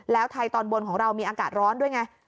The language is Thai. แล้วไทยตอนบนของเรามีอากาศร้อนด้วยไง